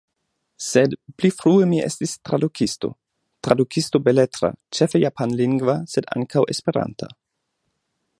Sed pli frue mi estis tradukisto, tradukisto beletra, ĉefe japanlingva sed ankaŭ esperanta.